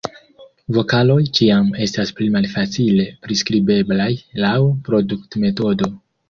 Vokaloj ĉiam estas pli malfacile priskribeblaj laŭ produktmetodo.